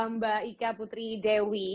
mbak ika putri dewi